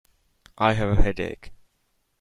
I have a headache.